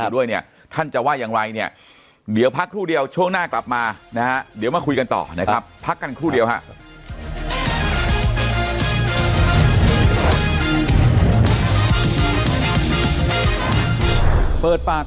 เดี๋ยวพักครู่เดียวช่วงหน้ากลับมานะครับเดี๋ยวมาคุยกันต่อนะครับพักกันครู่เดียวครับ